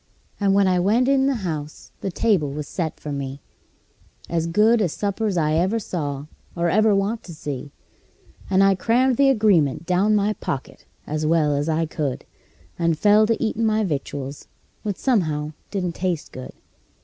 And when I went in the house the table was set for me As good a supper's I ever saw, or ever want to see; And I crammed the agreement down my pocket as well as I could, And fell to eatin' my victuals, which somehow didn't taste good.